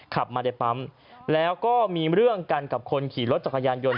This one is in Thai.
ขับมาในปั๊มแล้วก็มีเรื่องกันกับคนขี่รถจักรยานยนต